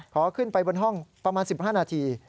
ขอขึ้นไปบนห้องประมาณ๑๕นาที